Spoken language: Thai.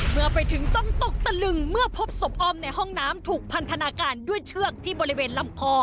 เมื่อไปถึงต้องตกตะลึงเมื่อพบศพอ้อมในห้องน้ำถูกพันธนาการด้วยเชือกที่บริเวณลำคอ